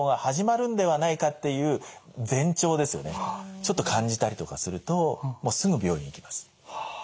ちょっと感じたりとかするともうすぐ病院に行きます。